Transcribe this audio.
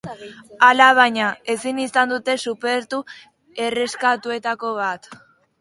Alabaina, ezin izan dute suspertu erreskatatuetako bat.